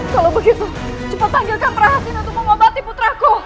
kalau begitu cepat tanggilkan perahasin untuk membahati putraku